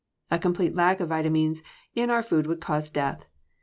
A complete lack of vitamines in our food would cause death.